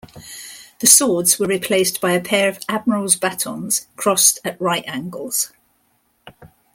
The swords were replaced by a pair of Admiral's batons crossed at right angles.